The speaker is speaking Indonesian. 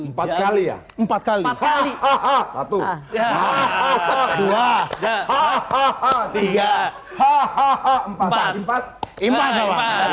jari empat kali empat kali hahaha satu hahaha dua hahaha tiga hahaha empat empat empat empat